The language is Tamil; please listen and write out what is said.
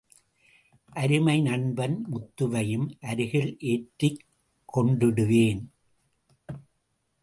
அருமை நண்பன் முத்துவையும் அருகில் ஏற்றிக் கொண்டிடுவேன்.